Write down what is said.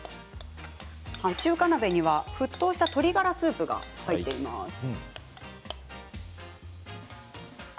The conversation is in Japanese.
中華鍋には沸騰した鶏ガラスープが入っています。